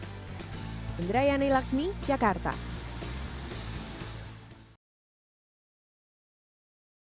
jepang juga memiliki penambahan gelagar di sisi barat serta perbaikan gelagar di sisi timur